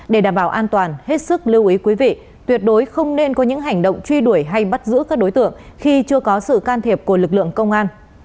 để đảm bảo an toàn hết sức lưu ý quý vị tuyệt đối không nên có những hành động truy đuổi hay bắt giữ các đối tượng khi chưa có sự can thiệp của lực lượng công an